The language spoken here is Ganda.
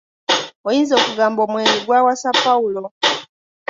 Oyinza okugamba omwenge gwawasa Pawulo.